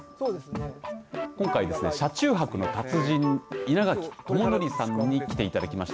今回ですね、車中泊の達人稲垣朝則さんに来ていただきました。